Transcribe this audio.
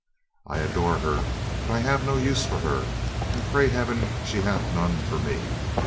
I adore her, but I have no use for her, and pray Heaven she hath none for me.